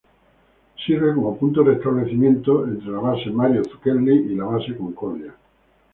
Sirve como punto de reabastecimiento entre la base Mario Zucchelli y la base Concordia.